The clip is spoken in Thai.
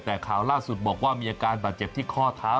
แต่ข่าวล่าสุดบอกว่ามีอาการบาดเจ็บที่ข้อเท้า